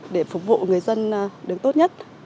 để phục vụ người dân đứng tốt nhất